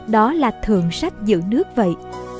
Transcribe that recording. đó là thượng sách giữ nước vậy